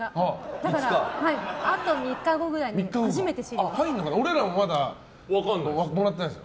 だからあと３日後ぐらいに初めて知ります。